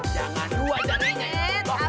jangan dua jarinya yang berbohong